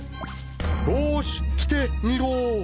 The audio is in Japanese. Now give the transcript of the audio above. よーし来てみろ！